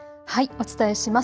お伝えします。